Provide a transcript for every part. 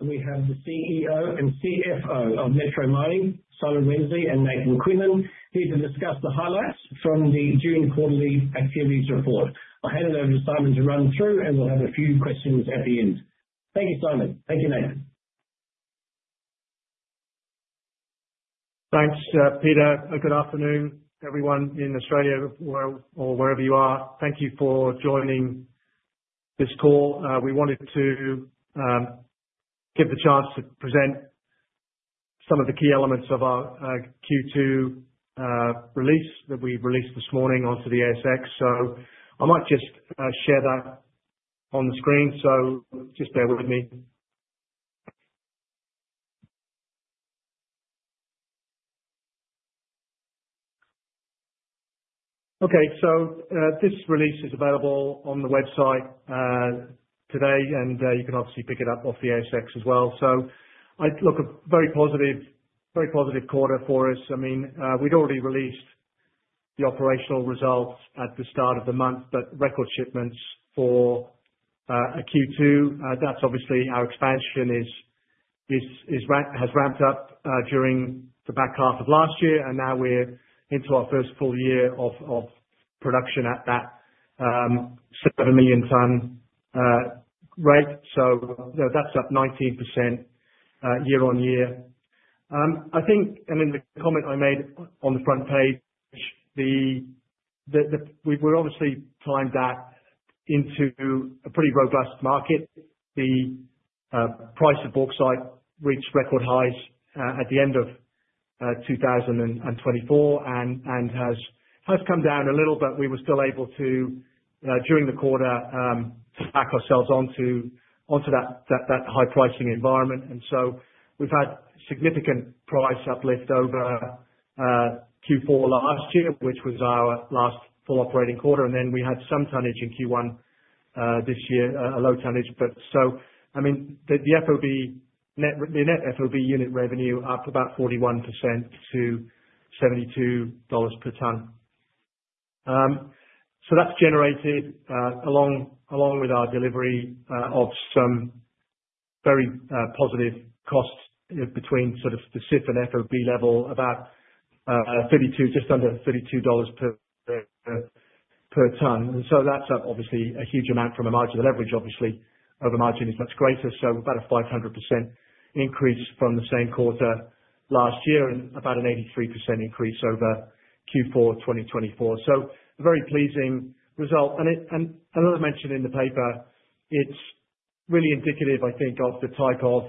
We have the CEO and CFO of Metro Mining, Simon Wensley and Nathan Quinlin, here to discuss the highlights from the June quarterly activities report. I'll hand it over to Simon to run through, and we'll have a few questions at the end. Thank you, Simon. Thank you, Nathan. Thanks, Peter. Good afternoon, everyone in Australia or wherever you are. Thank you for joining this call. We wanted to get the chance to present some of the key elements of our Q2 release that we released this morning onto the ASX. I might just share that on the screen. Just bear with me. This release is available on the website today, and you can obviously pick it up off the ASX as well. I look at a very positive, very positive quarter for us. We'd already released the operational results at the start of the month, but record shipments for a Q2, that's obviously our expansion has ramped up during the back half of last year, and now we're into our first full year of production at that 7 million ton rate. That's up 19% year-on-year. The comment I made on the front page, we're obviously primed that into a pretty robust market. The price of bauxite reached record highs at the end of 2024 and has come down a little, but we were still able to, during the quarter, stack ourselves onto that high pricing environment. We've had significant price uplift over Q4 last year, which was our last full operating quarter. We had some tonnage in Q1 this year, a low tonnage. The net FOB unit revenue up about 41% to $72 per ton. That's generated along with our delivery of some very positive costs between sort of the CIF and FOB level about just under $32 per ton. That's obviously a huge amount from a margin. The leverage over margin is much greater. About a 500% increase from the same quarter last year and about an 83% increase over Q4 2024. A very pleasing result. As I mentioned in the paper, it's really indicative, I think, of the type of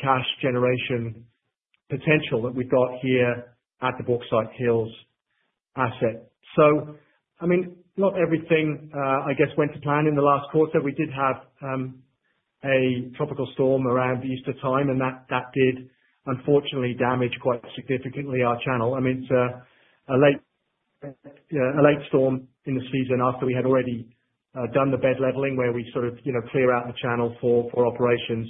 cash generation potential that we've got here at the Bauxite Hills asset. Not everything went to plan in the last quarter. We did have a tropical storm around Easter time, and that did, unfortunately, damage quite significantly our channel. It's a late storm in the season after we had already done the bed leveling where we sort of clear out a channel for operations.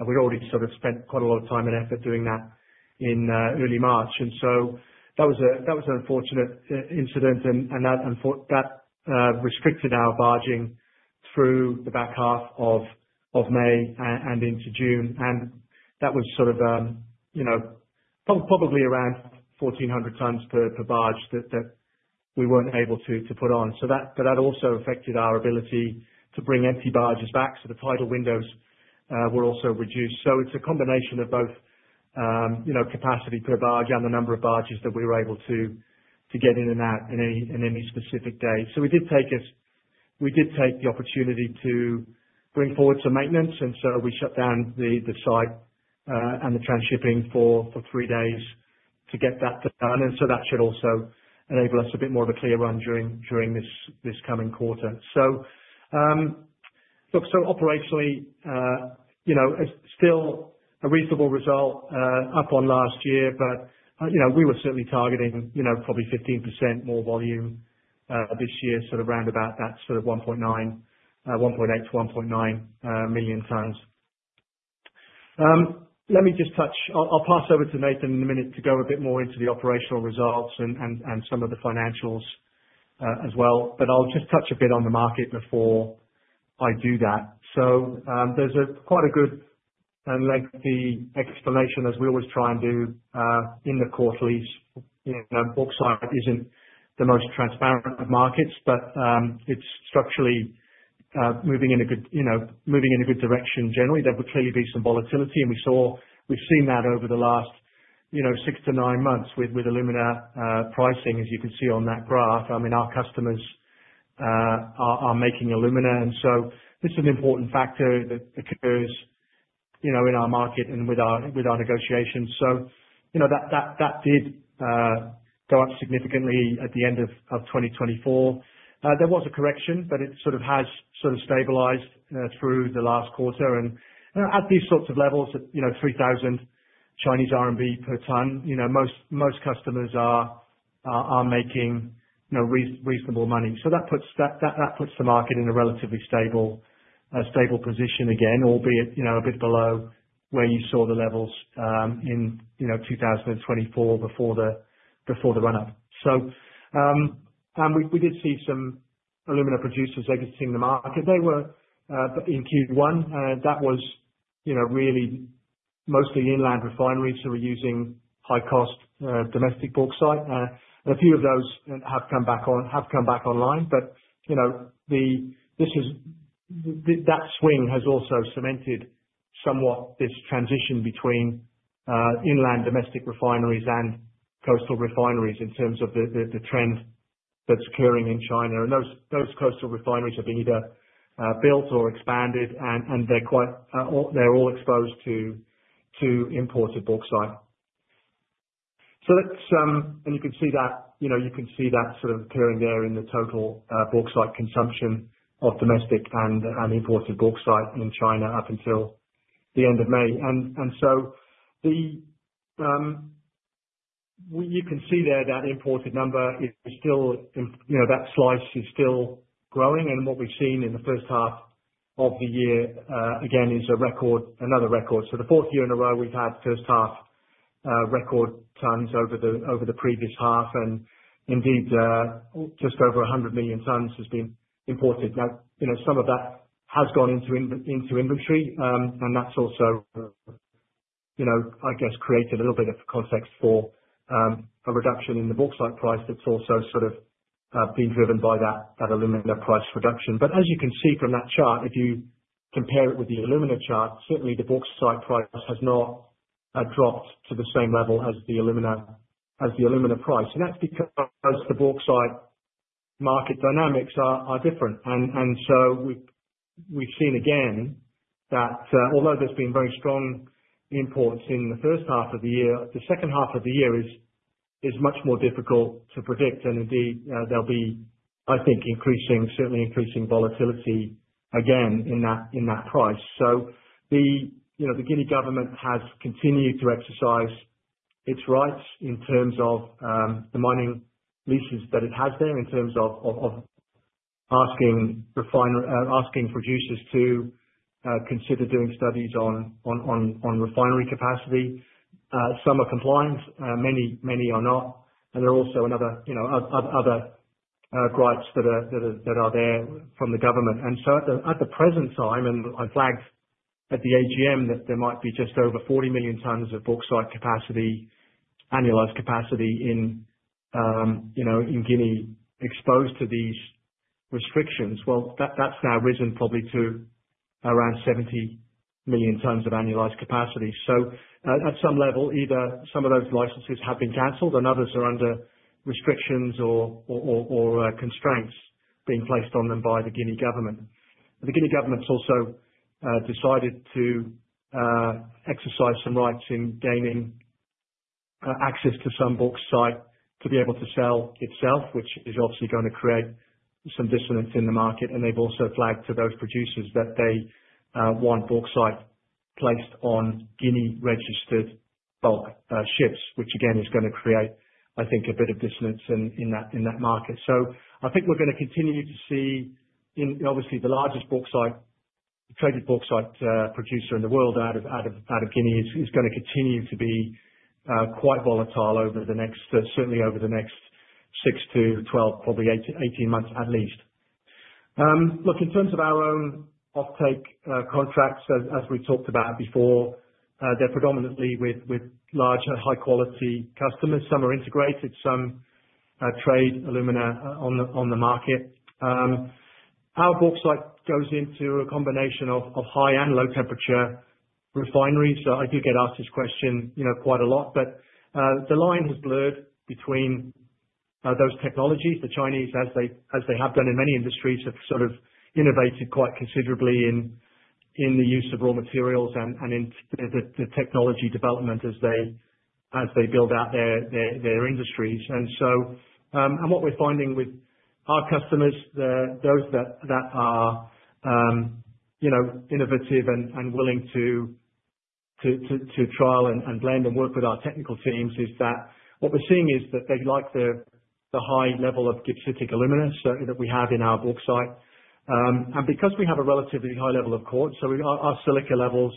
We'd already spent quite a lot of time and effort doing that in early March. That was an unfortunate incident. That restricted our barging through the back half of May and into June. That was probably around 1,400 tons per barge that we weren't able to put on. That also affected our ability to bring empty barges back. The tidal windows were also reduced. It's a combination of both capacity per barge and the number of barges that we were able to get in and out in any specific day. We did take the opportunity to bring forward some maintenance, and we shut down the site and the transshipping for three days to get that done. That should also enable us a bit more of a clear run during this coming quarter. Operationally, it's still a reasonable result up on last year, but we were certainly targeting probably 15% more volume this year, sort of round about that 1.8 million tons, 1.9 million tons. Let me just touch, I'll pass over to Nathan in a minute to go a bit more into the operational results and some of the financials as well, but I'll just touch a bit on the market before I do that. There's quite a good and lengthy explanation, as we always try and do in the quarterlies. Bauxite isn't the most transparent of markets, but it's structurally moving in a good direction. Generally, there would clearly be some volatility. We have seen that over the last six to nine months with alumina pricing, as you can see on that graph. Our customers are making alumina, and this is an important factor that occurs in our market and with our negotiations. That did go up significantly at the end of 2024. There was a correction, but it has stabilized through the last quarter. At these sorts of levels, at 3,000 Chinese RMB per ton, most customers are making reasonable money. That puts the market in a relatively stable position again, albeit a bit below where you saw the levels in 2024 before the run-up. We did see some alumina producers exiting the market in Q1, and that was really mostly inland refineries who were using high-cost domestic bauxite. A few of those have come back online, but this swing has also cemented somewhat this transition between inland domestic refineries and coastal refineries in terms of the trend that's occurring in China. Those coastal refineries have been either built or expanded, and they're all exposed to imported bauxite. Let's, and you can see that, you know, you can see that sort of occurring there in the total bauxite consumption of domestic and imported bauxite in China up until the end of May. You can see there that imported number is still, you know, that slice is still growing. What we've seen in the first half of the year, again, is a record, another record. The fourth year in a row, we've had first-half record tons over the previous half. Indeed, just over 100 million tons has been imported. Now, you know, some of that has gone into inventory, and that's also, you know, I guess, created a little bit of context for a reduction in the bauxite price that's also sort of been driven by that alumina price reduction. As you can see from that chart, if you compare it with the alumina chart, certainly the bauxite price has not dropped to the same level as the alumina price. That's because the bauxite market dynamics are different. We've seen again that although there's been very strong imports in the first half of the year, the second half of the year is much more difficult to predict. Indeed, there'll be, I think, certainly increasing volatility again in that price. The Guinea government has continued to exercise its rights in terms of the mining leases that it has there, in terms of asking producers to consider doing studies on refinery capacity. Some are compliant, many, many are not. There are also other, you know, other gripes that are there from the government. At the present time, and I flagged at the AGM that there might be just over 40 million tons of bauxite capacity, annualized capacity in Guinea exposed to these restrictions. That's now risen probably to around 70 million tons of annualized capacity. At some level, either some of those licenses have been canceled and others are under restrictions or constraints being placed on them by the Guinea government. The Guinea government has also decided to exercise some rights in gaining access to some bauxite to be able to sell itself, which is obviously going to create some dissonance in the market. They've also flagged to those producers that they want bauxite placed on Guinea-registered bulk ships, which again is going to create, I think, a bit of dissonance in that market. I think we're going to continue to see, obviously, the largest traded bauxite producer in the world out of Guinea is going to continue to be quite volatile over the next, certainly over the next 6 to 12, probably 18 months at least. In terms of our own offtake contracts, as we talked about before, they're predominantly with larger, high-quality customers. Some are integrated. Some trade alumina on the market. Our bauxite goes into a combination of high and low-temperature refineries. I do get asked this question quite a lot. The line has blurred between those technologies. The Chinese, as they have done in many industries, have sort of innovated quite considerably in the use of raw materials and in the technology development as they build out their industries. What we're finding with our customers, those that are innovative and willing to trial and blend and work with our technical teams, is that they like the high level of gibbsite alumina that we have in our bauxite. Because we have a relatively high level of quartz, our silica levels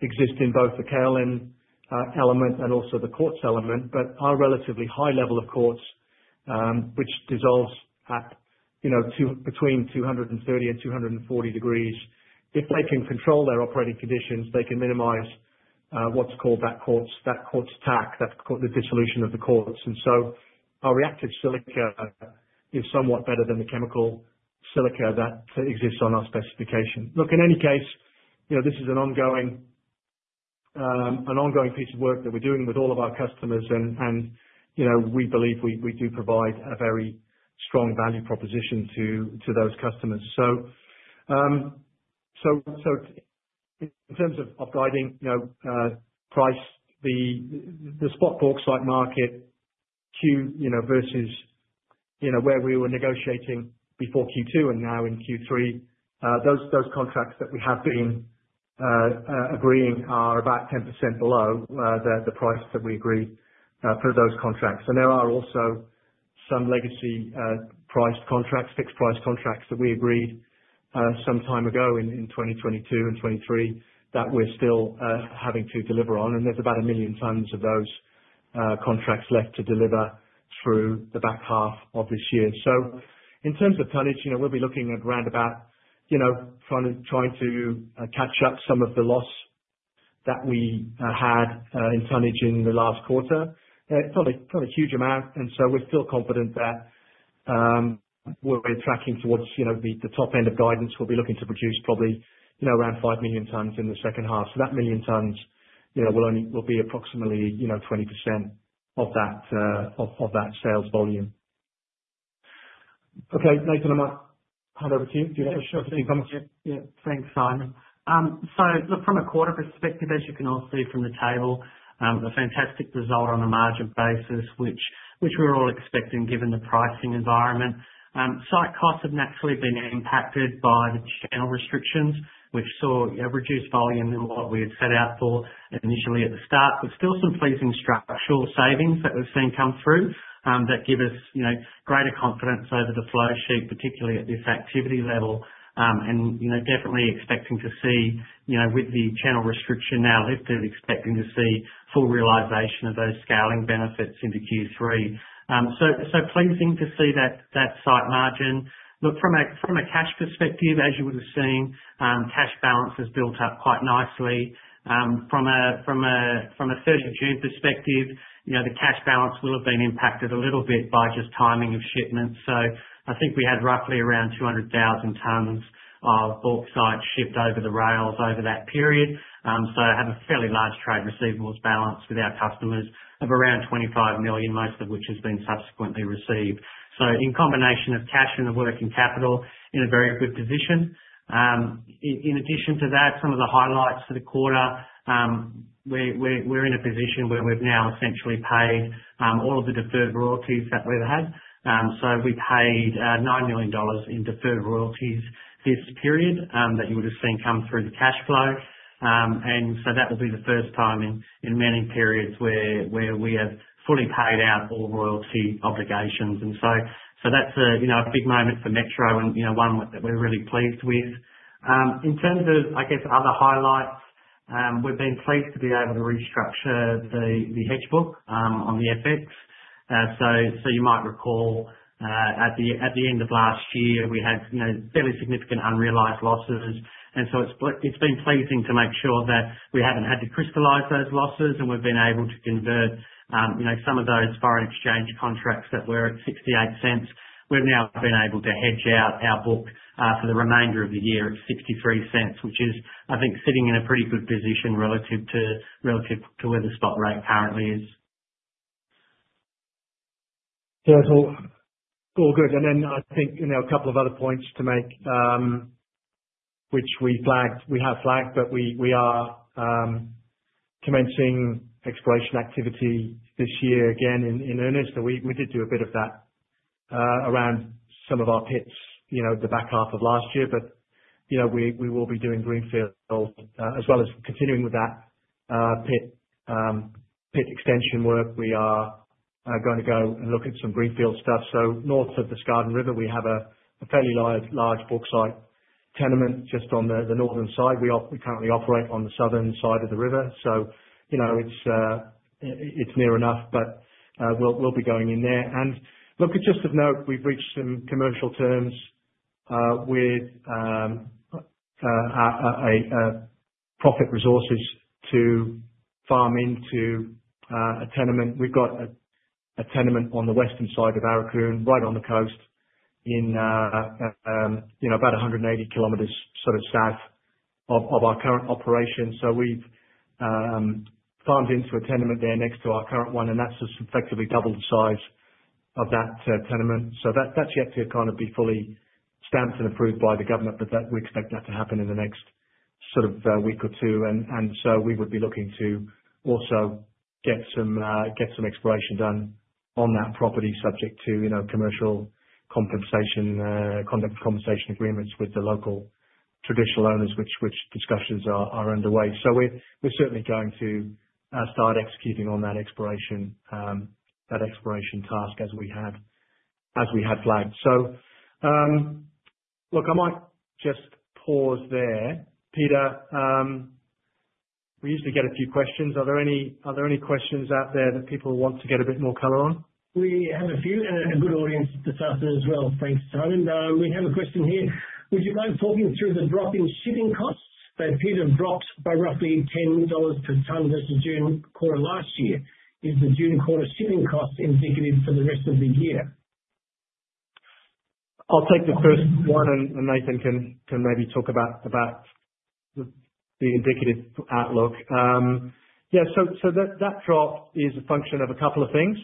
exist in both the kaolin element and also the quartz element, but our relatively high level of quartz, which dissolves at between 230 degrees and 240 degrees, if they can control their operating conditions, they can minimize what's called that quartz attack, the dissolution of the quartz. Our reactive silica is somewhat better than the chemical silica that exists on our specification. In any case, this is an ongoing piece of work that we're doing with all of our customers. We believe we do provide a very strong value proposition to those customers. In terms of guiding price, the spot bauxite market versus where we were negotiating before Q2 and now in Q3, those contracts that we have been agreeing are about 10% below the price that we agreed through those contracts. There are also some legacy price contracts, fixed price contracts that we agreed some time ago in 2022 and 2023 that we're still having to deliver on. There's about a million tons of those contracts left to deliver through the back half of this year. In terms of tonnage, we'll be looking at roundabout trying to catch up some of the loss that we had in tonnage in the last quarter. It's not a huge amount. We're still confident that we're tracking towards the top end of guidance. We'll be looking to produce probably around 5 million tons in the second half. That million tons will only be approximately 20% of that sales volume. Okay. Nathan, I'm going to hand over to you. Do you want to share a few comments? Yeah. Thanks, Simon. From a quarter perspective, as you can all see from the table, a fantastic result on a margin basis, which we were all expecting given the pricing environment. Site costs have naturally been impacted by the channel restrictions, which saw reduced volume than what we had set out for initially at the start, but still some pleasing structural savings that we've seen come through that give us greater confidence over the flow sheet, particularly at this activity level. Definitely expecting to see, with the channel restriction now lifted, full realization of those scaling benefits into Q3. Pleasing to see that site margin. From a cash perspective, as you would have seen, cash balance has built up quite nicely. From a June 30 perspective, the cash balance will have been impacted a little bit by just timing of shipments. I think we had roughly around 200,000 tons of bauxite shipped over the rails over that period. I had a fairly large trade receivables balance with our customers of around $25 million, most of which has been subsequently received. In combination of cash and the working capital, in a very good position. In addition to that, some of the highlights of the quarter, we're in a position where we've now essentially paid all of the deferred royalties that we've had. We paid $9 million in deferred royalties this period that you would have seen come through the cash flow. That will be the first time in many periods where we have fully paid out all royalty obligations. That's a big moment for Metro and one that we're really pleased with. In terms of other highlights, we've been pleased to be able to restructure the hedge book on the FX. You might recall, at the end of last year, we had fairly significant unrealized losses. It's been pleasing to make sure that we haven't had to crystallize those losses and we've been able to convert some of those foreign exchange contracts that were at $0.68, we've now been able to hedge out our book for the remainder of the year at $0.63, which is, I think, sitting in a pretty good position relative to where the spot rate currently is. Yeah. It's all good. I think, you know, a couple of other points to make, which we flagged, we have flagged, we are commencing exploration activity this year again in earnest. We did do a bit of that around some of our pits, you know, the back half of last year. We will be doing greenfield as well as continuing with that pit extension work. We are going to go and look at some greenfield stuff. North of the Skardon River, we have a fairly large bauxite tenement just on the northern side. We currently operate on the southern side of the river. It's near enough, but we'll be going in there. Just of note, we've reached some commercial terms with Profit Resources to farm into a tenement. We've got a tenement on the western side of Aurukun, right on the coast, about 180 km south of our current operation. We've farmed into a tenement there next to our current one, and that's just effectively double the size of that tenement. That's yet to kind of be fully stamped and approved by the government, but we expect that to happen in the next week or two. We would be looking to also get some exploration done on that property subject to commercial compensation agreements with the local traditional owners, which discussions are underway. We're certainly going to start executing on that exploration task as we had flagged. I might just pause there. Peter, we usually get a few questions. Are there any questions out there that people want to get a bit more color on? We have a few and a good audience at the top as well. Thanks, Simon. We have a question here. Would you mind talking through the drop in shipping costs that have been dropped by roughly $10 per ton versus June quarter last year? Is the June quarter shipping cost indicative for the rest of the year? I'll take the first one, and Nathan can maybe talk about the indicative outlook. That drop is a function of a couple of things.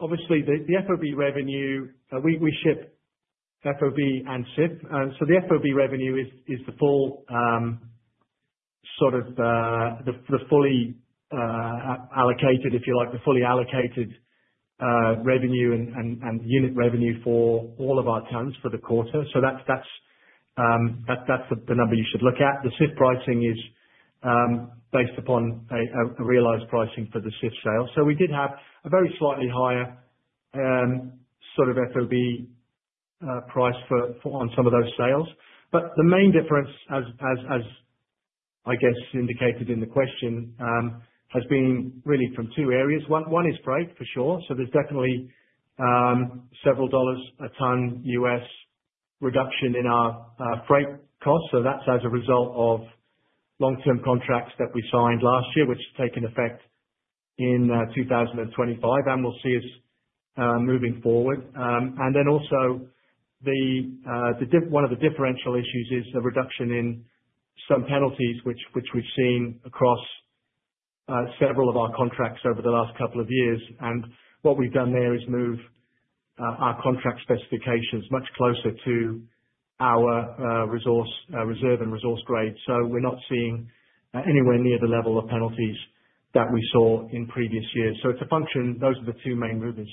Obviously, the FOB revenue, we ship FOB and CIF. The FOB revenue is the fully allocated revenue and unit revenue for all of our tons for the quarter. That's the number you should look at. The CIF pricing is based upon a realized pricing for the CIF sales. We did have a very slightly higher FOB price on some of those sales. The main difference, as I guess indicated in the question, has been really from two areas. One is freight, for sure. There's definitely several dollars a ton U.S. reduction in our freight costs. That's as a result of long-term contracts that we signed last year, which has taken effect in 2025 and will see us moving forward. Also, one of the differential issues is a reduction in some penalties, which we've seen across several of our contracts over the last couple of years. What we've done there is move our contract specifications much closer to our reserve and resource grade. We're not seeing anywhere near the level of penalties that we saw in previous years. It's a function. Those are the two main movers.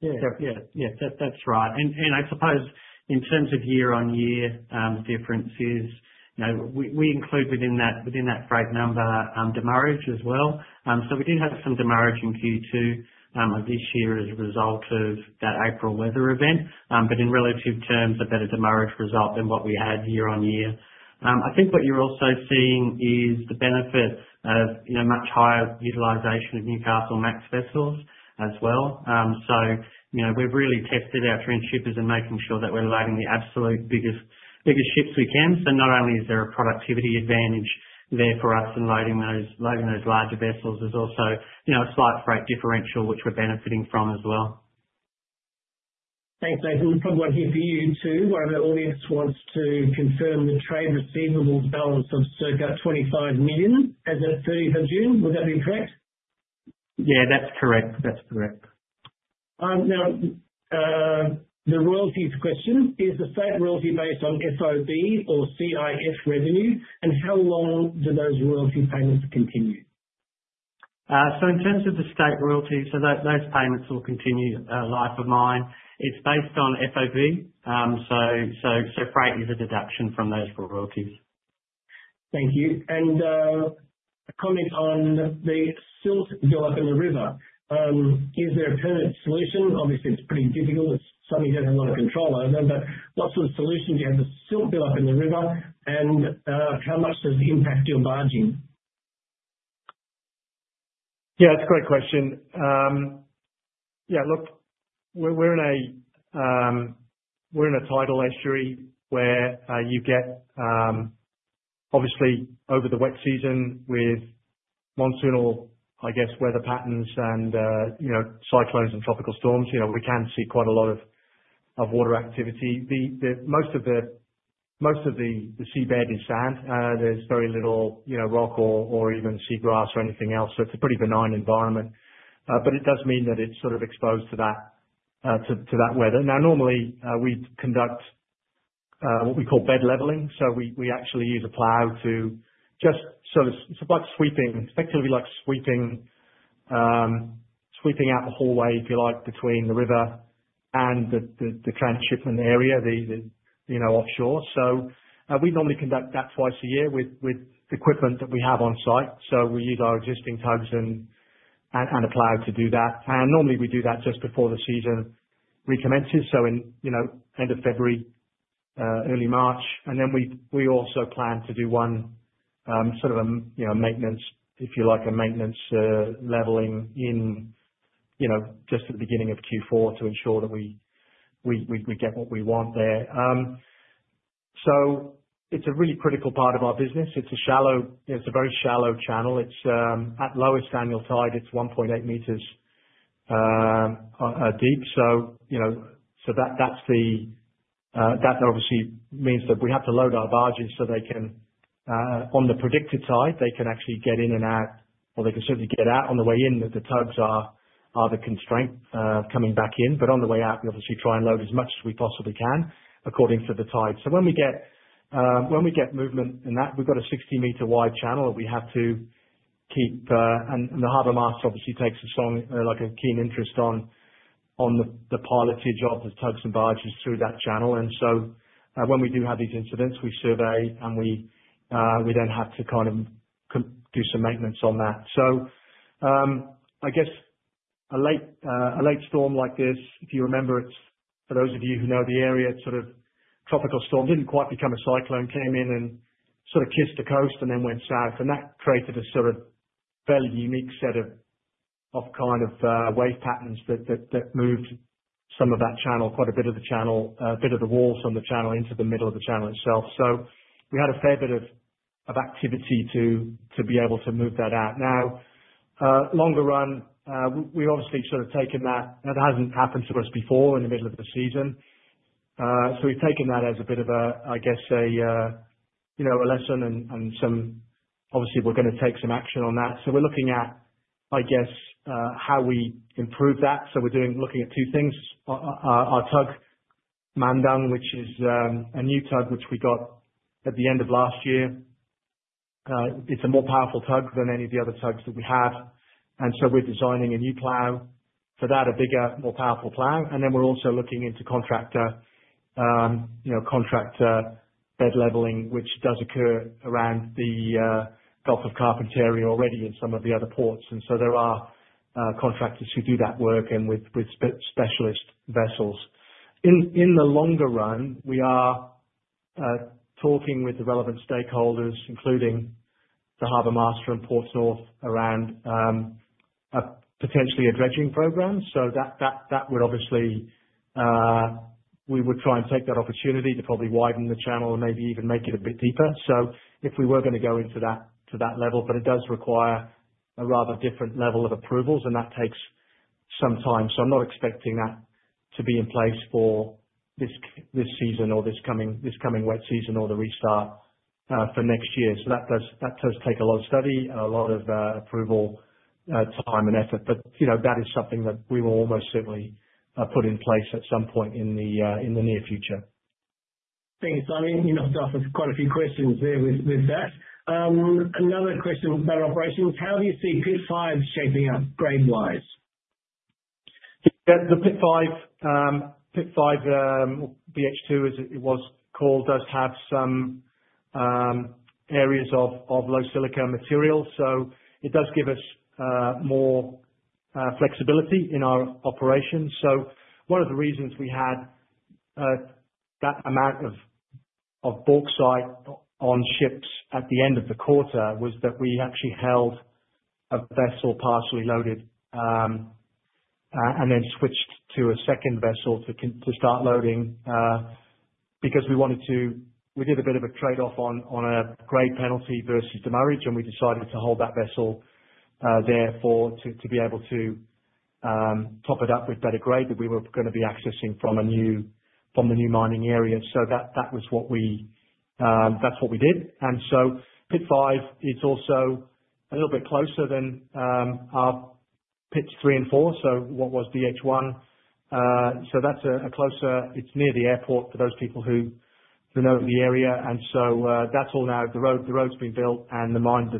Yeah, that's right. I suppose in terms of year-on-year differences, we include within that freight number demurrage as well. We did have some demurrage in Q2 of this year as a result of that April weather event. In relative terms, a better demurrage result than what we had year-on-year. I think what you're also seeing is the benefit of much higher utilization of Newcastlemax vessels as well. We've really tested our transshippers and made sure that we're loading the absolute biggest ships we can. Not only is there a productivity advantage for us in loading those larger vessels, there's also a slight freight differential, which we're benefiting from as well. Thanks, Nathan. I've got one here for you, too. One of the audience wants to confirm the trade redeemable balance of circa $25 million as of 30th of June. Would that be correct? Yeah, that's correct. That's correct. Now, the royalty for question is the state royalty based on FOB or CIF revenue, and how long do those royalty payments continue? In terms of the state royalties, those payments will continue, life of mine. It's based on FOB, so freight is a deduction from those royalties. Thank you. A comment on the silt buildup in the river. Usually, a solution, obviously, it's pretty difficult. It's something you have a lot of control over. What sort of solutions do you have for the silt buildup in the river, and how much does it impact your barging? Yeah, it's a great question. Look, we're in a tidal estuary where you get, obviously, over the wet season with monsoonal weather patterns and, you know, cyclones and tropical storms, we can see quite a lot of water activity. Most of the seabed is sand. There's very little rock or even seagrass or anything else. It's a pretty benign environment, but it does mean that it's sort of exposed to that weather. Normally, we conduct what we call bed leveling. We actually use a plow to just sort of, it's like sweeping, effectively, like sweeping out a hallway, if you like, between the river and the transshipment area offshore. We normally conduct that twice a year with the equipment that we have on site. We use our existing tugs and a plow to do that. Normally, we do that just before the season recommences, so end of February, early March. We also plan to do one sort of a maintenance, if you like, a maintenance leveling just at the beginning of Q4 to ensure that we get what we want there. It's a really critical part of our business. It's a shallow, it's a very shallow channel. At lowest annual tide, it's 1.8 meters deep. That obviously means that we have to load our barges so they can, on the predicted tide, actually get in and out, or they can simply get out. On the way in, the tugs are the constraint coming back in. On the way out, we try and load as much as we possibly can according to the tide. When we get movement in that, we've got a 60 m wide channel that we have to keep, and the Harbour Master obviously takes a strong, like a keen interest in the pilotage of the tugs and barges through that channel. When we do have these incidents, we survey and then have to kind of do some maintenance on that. A late storm like this, if you remember, for those of you who know the area, sort of tropical storm didn't quite become a cyclone, came in and sort of kissed the coast and then went south. That created a sort of fairly unique set of wave patterns that moved some of that channel, quite a bit of the channel, a bit of the walls on the channel into the middle of the channel itself. We had a fair bit of activity to be able to move that out. Now, longer run, we obviously sort of taken that, and it hasn't happened to us before in the middle of the season. We've taken that as a bit of a, I guess, a lesson and obviously we're going to take some action on that. We're looking at, I guess, how we improve that. We're looking at two things. Our tug, Mandung, which is a new tug which we got at the end of last year, is a more powerful tug than any of the other tugs that we have. We're designing a new plow for that, a bigger, more powerful plow. We're also looking into contractor bed leveling, which does occur around the Gulf of Carpentaria already in some of the other ports. There are contractors who do that work with specialist vessels. In the longer run, we are talking with the relevant stakeholders, including the Harbour Master and Ports North, around potentially a dredging program. That would obviously, we would try and take that opportunity to probably widen the channel and maybe even make it a bit deeper if we were going to go to that level, but it does require a rather different level of approvals, and that takes some time. I'm not expecting that to be in place for this season or this coming wet season or the restart for next year. That does take a lot of study and a lot of approval time and effort, but that is something that we will almost certainly put in place at some point in the near future. Thanks, Simon. I've got quite a few questions there with that. Another question about operations. How do you see PIT 5 shaping up grade-wise? PIT 5, PIT 5 BH2, as it was called, does have some areas of low silica material. It does give us more flexibility in our operations. One of the reasons we had that amount of bauxite on ships at the end of the quarter was that we actually held a vessel partially loaded and then switched to a second vessel to start loading because we wanted to, we did a bit of a trade-off on a grade penalty versus demurrage, and we decided to hold that vessel there to be able to top it up with better grade that we were going to be accessing from the new mining area. That was what we did. PIT 5 is also a little bit closer than our PIT 3 and 4. What was BH1? That's a closer, it's near the airport for those people who know of the area. That's all now, the road's been built and the mine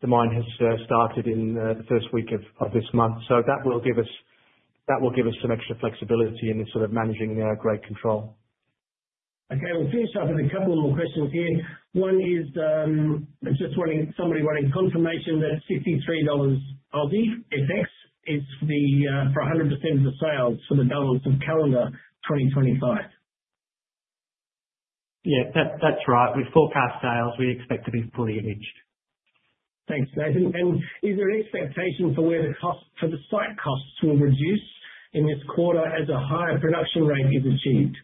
has started in the first week of this month. That will give us some extra flexibility in managing grade control. Okay. We'll see if something comes in. One question for you. One is just somebody wanting confirmation that $63, if this is for 100% of the sales for the dollars of calendar 2025. Yeah, that's right. With forecast sales, we expect to be fully imaged. Thanks, Nathan. Is there an expectation for where the cost for the site costs will reduce in this quarter as a higher production rate is achieved?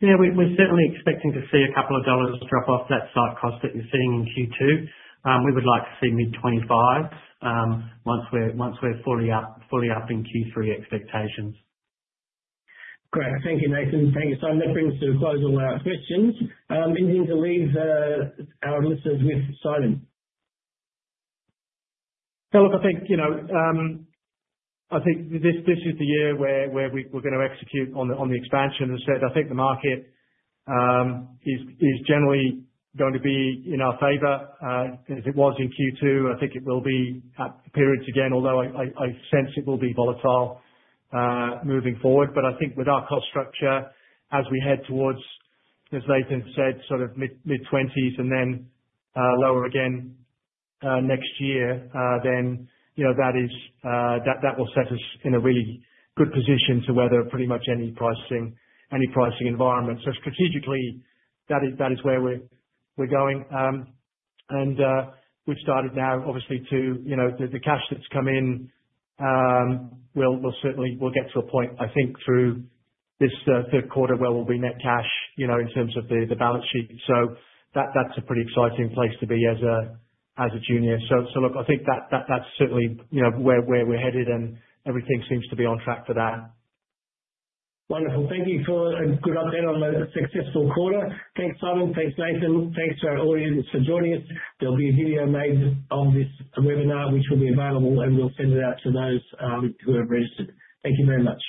Yeah, we're certainly expecting to see a couple of dollars drop off that site cost that you're seeing in Q2. We'd like to see mid-$25 once we're fully up in Q3 expectations. Great. Thank you, Nathan. Thank you. That brings to a close all our questions. Anything to leave our listeners with, Simon? Yeah, look, I think this is the year where we're going to execute on the expansion. As I said, I think the market is generally going to be in our favor as it was in Q2. I think it will be at periods again, although I sense it will be volatile moving forward. I think with our cost structure, as we head towards, as Nathan said, sort of mid-20s and then lower again next year, that will set us in a really good position to weather pretty much any pricing environment. Strategically, that is where we're going. We've started now, obviously, the cash that's come in, we'll certainly get to a point, I think, through this third quarter where we'll be net cash in terms of the balance sheet. That's a pretty exciting place to be as a junior. I think that's certainly where we're headed and everything seems to be on track for that. Wonderful. Thank you for a good update on a successful quarter. Thanks, Simon. Thanks, Nathan. Thanks to our audience for joining us. They'll be hearing a major part of this webinar, which will be available, and we'll send it out to those who have registered. Thank you very much.